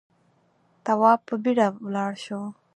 تواب په بيړه ولاړ شو.